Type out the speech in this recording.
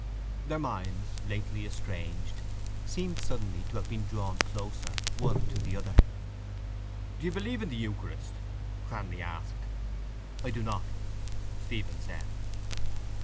Their minds, lately estranged, seemed suddenly to have been drawn closer, one to the other. —Do you believe in the eucharist? Cranly asked. —I do not, Stephen said.